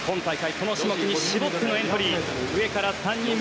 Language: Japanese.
この種目に絞ってのエントリー。